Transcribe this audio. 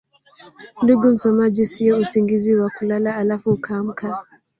ndugu msomaji siyo usingizi wa kulala alafu ukaamka